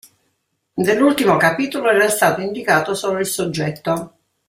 Dell'ultimo capitolo era stato indicato solo il soggetto.